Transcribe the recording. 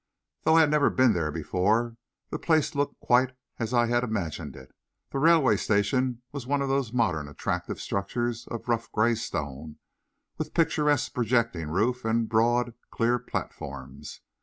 Though I had never been there before, the place looked quite as I had imagined it. The railway station was one of those modern attractive structures of rough gray stone, with picturesque projecting roof and broad, clean platforms.